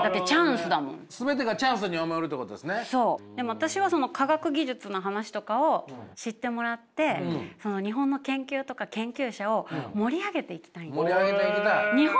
私はその科学技術の話とかを知ってもらって日本の研究とか研究者を盛り上げていきたいんです。